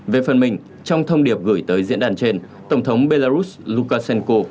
về phần mình trong thông điệp gửi tới diễn đàn trên tổng thống belarus lukashenko